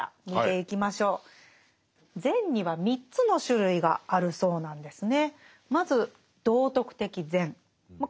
善には３つの種類があるそうなんですね。